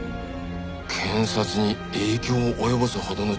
検察に影響を及ぼすほどの力って事か。